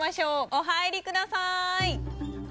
お入りください！